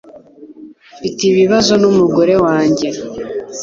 Mfite ibibazo numugore wanjye.